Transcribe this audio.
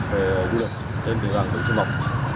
về du lịch trên địa bàn tỉnh sư mộc